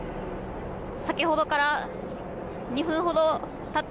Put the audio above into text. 先ほどから２分ほど経った